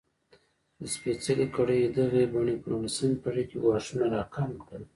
د سپېڅلې کړۍ دغې بڼې په نولسمه پېړۍ کې ګواښونه راکم کړل.